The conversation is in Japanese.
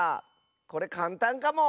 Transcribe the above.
これかんたんかも。